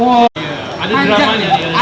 wah ada dramanya